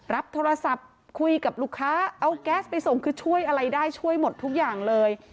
รับโทรศัพท์คุยกับลูกค้าเอาแก๊สไปส่งคือช่วยอะไรได้ช่วยหมดทุกอย่างเลย